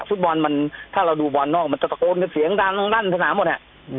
ฟุตบอลมันถ้าเราดูบอลนอกมันจะตะโกนกันเสียงดังลั่นสนามหมด